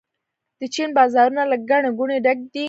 د چین بازارونه له ګڼې ګوڼې ډک دي.